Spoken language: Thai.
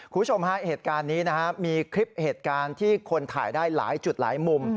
คุณผู้ชมฮะเหตุการณ์นี้นะครับมีคลิปเหตุการณ์ที่คนถ่ายได้หลายจุดหลายมุม